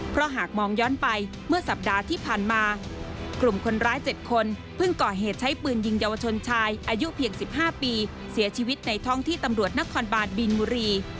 เพราะหากมองย้อนไปเมื่อสัปดาห์ที่ผ่านมากลุ่มคนร้าย๗คนเพิ่งก่อเหตุใช้ปืนยิงเยาวชนชายอายุเพียง๑๕ปีเสียชีวิตในท้องที่ตำรวจนครบานบินบุรี